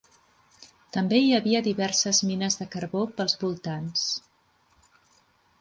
També hi havia diverses mines de carbó pels voltants.